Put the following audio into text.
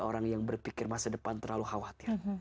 orang yang berpikir masa depan terlalu khawatir